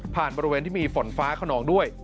บริเวณที่มีฝนฟ้าขนองด้วย